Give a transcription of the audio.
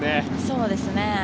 そうですね。